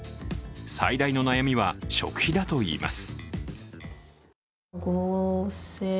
最大の悩みは食費だといいます。